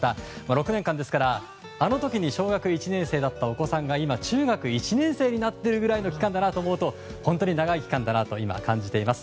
６年間ですから、あの時に小学１年生だったお子さんが今中学１年生になってるくらいの期間だなと思うと本当に長い期間だなと今、感じています。